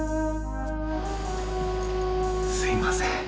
すいません。